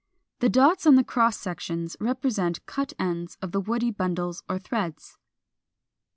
The dots on the cross sections represent cut ends of the woody bundles or threads.